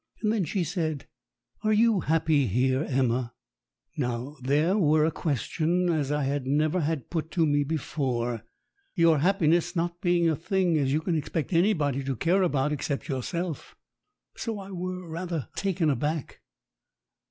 And then she said "Are you happy here, Emma ?" Now, there were a question as I had never had put to me before your happiness not being a thing as you can expect anybody to care about except yourself. So I were rather taken aback.